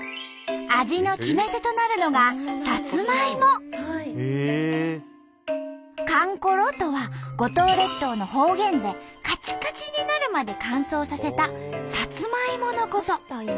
味の決め手となるのが「かんころ」とは五島列島の方言でカチカチになるまで乾燥させたサツマイモのこと。